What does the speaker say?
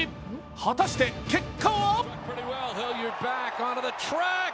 果たして、結果は？